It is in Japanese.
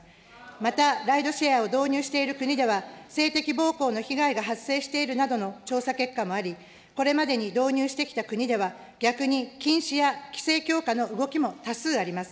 またライドシェアを導入している国では、性的暴行の被害が発生しているなどの調査結果もあり、これまでに導入してきた国では逆に禁止や規制強化の動きも多数あります。